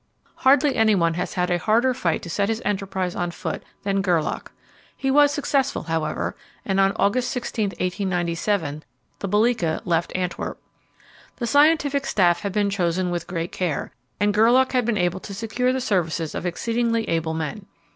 Hardly anyone has had a harder fight to set his enterprise on foot than Gerlache. He was successful, however, and on August 16, 1897, the Belgica left Antwerp. The scientific staff had been chosen with great care, and Gerlache had been able to secure the services of exceedingly able men.